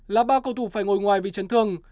là ba cầu thủ phải ngồi ngoài vì chấn thương